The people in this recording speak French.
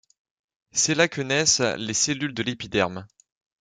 C’est là que naissent les cellules de l’épiderme.